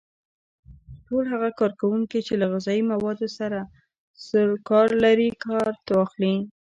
ټول هغه کارکوونکي چې له غذایي موادو سره سرو کار لري کارت واخلي.